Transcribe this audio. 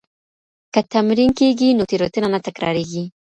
که تمرین کېږي نو تېروتنه نه تکرارېږي.